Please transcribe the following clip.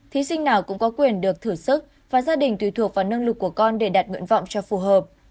thí sinh nào cũng có quyền được thử sức và gia đình tùy thuộc vào năng lực của con để đặt nguyện vọng cho phù hợp